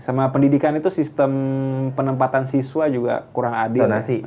sama pendidikan itu sistem penempatan siswa juga kurang adil